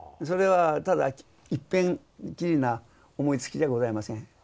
それはただいっぺんきりな思いつきじゃございません。